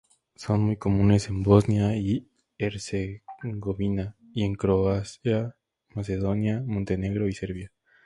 Son muy comunes en Bosnia y Herzegovina, y en Croacia, Macedonia, Montenegro y Serbia.